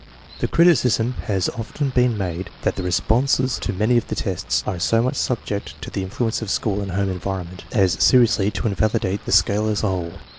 The criticism has often been made that the responses to many of the tests are so much subject to the influence of school and home environment as seriously to invalidate the scale as a whole.